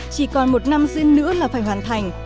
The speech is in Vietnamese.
chỉ còn một năm dưa nữa là phải hoàn thành